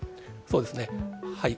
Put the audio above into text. そうですね。